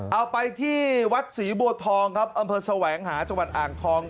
เอาไปที่วัดศรีบัวทองครับอำเภอแสวงหาจังหวัดอ่างทอง